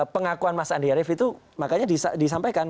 pengakuan mas andi arief itu makanya disampaikan